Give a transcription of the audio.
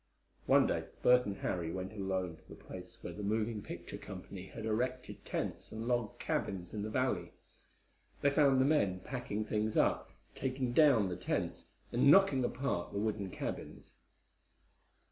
One day Bert and Harry went alone to the place where the moving picture company had erected tents and log cabins in the valley. They found the men packing things up, taking down the tents and knocking apart the wooden cabins.